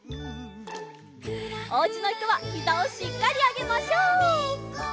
おうちのひとはひざをしっかりあげましょう！